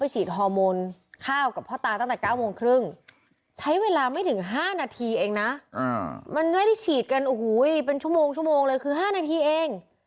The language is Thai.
ใช้เวลาไม่ถึง๕นาทีเองนะมันไม่ได้ฉีดกันเป็นชั่วโมงเลยคือ๕นาทีเอง